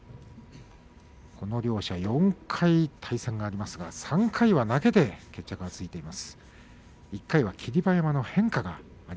この両者、４回対戦がありますが３回は投げで決着がついています。